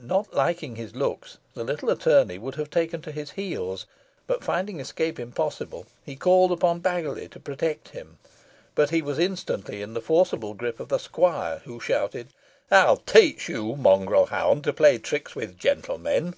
Not liking his looks, the little attorney would have taken to his heels, but finding escape impossible, he called upon Baggiley to protect him. But he was instantly in the forcible gripe of the squire, who shouted, "I'll teach you, mongrel hound, to play tricks with gentlemen."